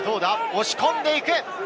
押し込んでいく！